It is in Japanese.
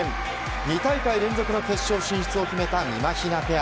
２大会連続の決勝進出を決めたみまひなペア。